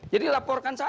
jadi laporkan saja